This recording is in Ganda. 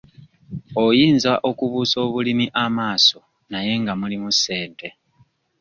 Oyinza okubuusa obulimi amaaso naye nga mulimu ssente.